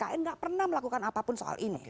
tidak pernah melakukan apapun soal ini